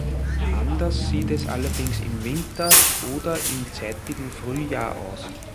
Anders sieht es allerdings im Winter oder im zeitigen Frühjahr aus.